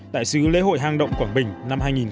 đại sứ lễ hội hang động quảng bình năm hai nghìn một mươi chín